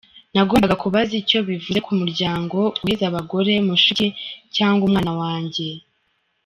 Nagombaga kubaza icyo bivuze ku muryango guheza abagore, mushiki cyangwa umwana wanjye.